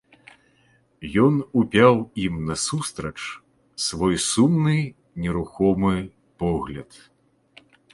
Ён упяў ім насустрач свой сумны нерухомы погляд.